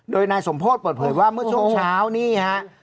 โดยนายสมโพธิเปิดเผยว่าเมื่อช่วงเช้านี่ฮะ